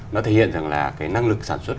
nó thể hiện rằng là cái năng lực sản xuất